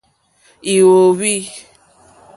Íhwǃúúhwí.